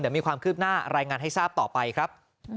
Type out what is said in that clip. เดี๋ยวมีความคืบหน้ารายงานให้ทราบต่อไปครับ